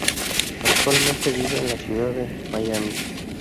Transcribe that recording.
Actualmente vive en la ciudad de Miami.